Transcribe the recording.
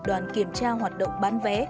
đoàn kiểm tra hoạt động bán vé